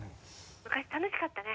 ☎昔楽しかったね。